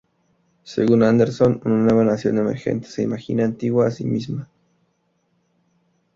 Según Anderson, una nueva nación emergente se "imagina" antigua a sí misma.